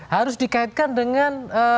harus dikaitkan dengan